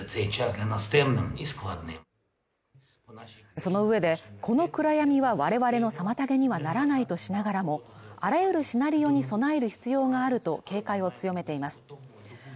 そのうえでこの暗闇は我々の妨げにはならないとしながらもあらゆるシナリオに備える必要があると警戒を強めています